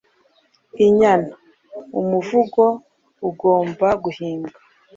Injyana: Umuvugo ugomba guhimbwa